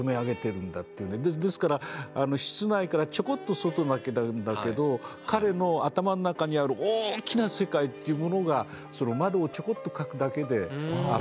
ですから室内からちょこっと外がだけなんだけど彼の頭の中にある大きな世界というものがその窓をちょこっと描くだけで表されてるってことでしょうね。